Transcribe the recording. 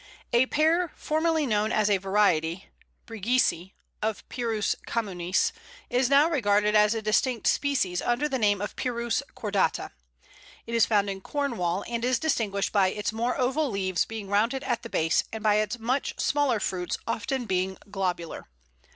A Pear formerly known as a variety (briggsii) of Pyrus communis is now regarded as a distinct species under the name of Pyrus cordata. It is found in Cornwall, and is distinguished by its more oval leaves being rounded at the base, and by its much smaller fruits being often globular.